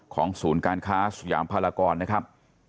ของสูญการค้าสุยามพรกรนะครับ